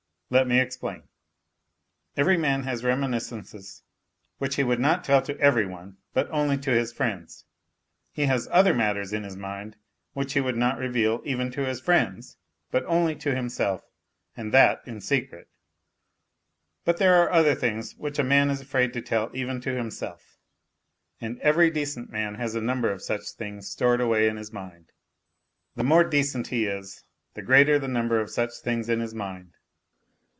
Let me explain. Every man has reminiscences which he would not tell to every one, but only to his friends. He has other matters in his mind which he would not reveal even to his friends, but only to him self, and that in secret. But there are other things which a man is afraid to tell even to himself, and every decent man has a number of such things stored away in bis mind. The more 80 NOTES FROM UNDERGROUND decent he is, the greater the number of such things in his mind.